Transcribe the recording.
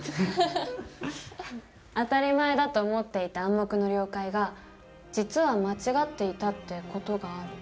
当たり前だと思っていた「暗黙の了解」が実は間違っていたっていう事がある。